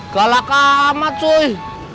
galak amat cuy